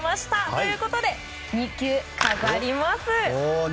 ということで、２球飾ります。